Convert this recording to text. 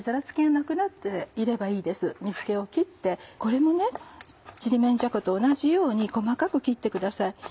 これもちりめんじゃこと同じように細かく切ってください。